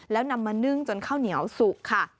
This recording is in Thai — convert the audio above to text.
แล้วนำมานึ่งจนข้าวเหนียวสุกค่ะ